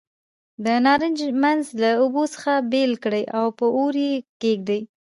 د نارنج منځ له اوبو څخه بېل کړئ او په اور یې کېږدئ.